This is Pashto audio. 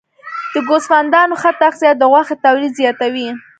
د ګوسفندانو ښه تغذیه د غوښې تولید زیاتوي.